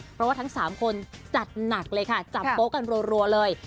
เพราะว่าทั้ง๓คนจัดหนักเลยค่ะจับโป๊ะกันรัวเลย